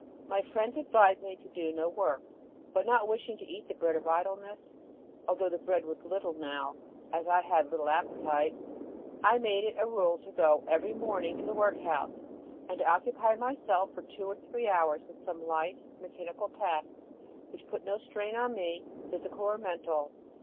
My friends advised me to do no work; but not wishing to eat the bread of idleness although the bread was little now, as I had little appetite I made it a rule to go every morning to the workhouse, and occupy myself for two or three hours with some light, mechanical task which put no strain on me, physical or mental.